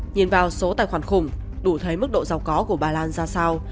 nhìn vào số tài khoản khủng đủ thấy mức độ giàu có của bà lan ra sao